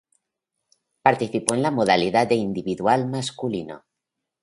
Participó en la modalidad de Individual Masculino.